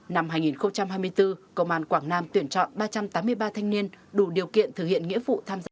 năm hai nghìn hai mươi bốn công an quảng nam tuyển chọn ba trăm tám mươi ba thanh niên đủ điều kiện thực hiện nghĩa vụ tham gia